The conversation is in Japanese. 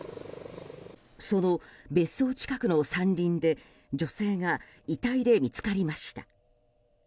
その別荘近くの山林で女性が遺体で見つかりました。